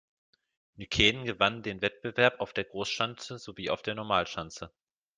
Nykänen gewann den Wettbewerb auf der Großschanze sowie auf der Normalschanze.